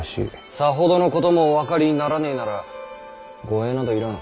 さほどのこともお分かりにならねぇなら護衛など要らぬ。